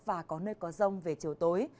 và có nơi có rông về chiều tối